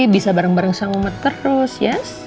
bisa bareng bareng sama umat terus yes